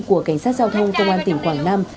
của cảnh sát giao thông công an tỉnh quảng nam